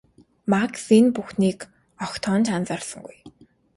Макс энэ бүхнийг огтхон ч анхаарсангүй.